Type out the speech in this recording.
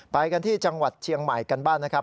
ไปกันที่จังหวัดเชียงใหม่กันบ้างนะครับ